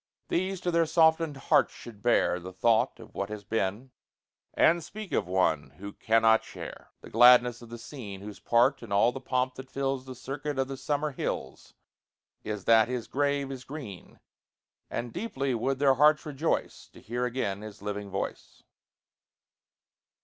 These to their softened hearts should bear The thought of what has been, And speak of one who cannot share The gladness of the scene; Whose part in all the pomp that fills The circuit of the summer hills Is that his grave is green; And deeply would their hearts rejoice To hear again his living voice.